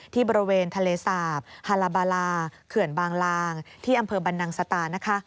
ที่บริเวณทะเลสาบฮาลาบาลาเขื่อนบางลางที่อำเภอบรรนังสตานะคะ